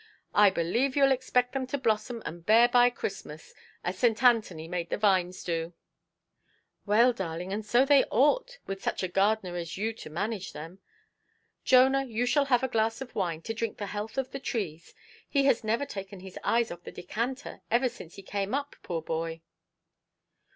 I believe youʼll expect them to blossom and bear by Christmas, as St. Anthony made the vines do". "Well, darling, and so they ought, with such a gardener as you to manage them.—Jonah, you shall have a glass of wine, to drink the health of the trees. He has never taken his eyes off the decanter, ever since he came up, poor boy".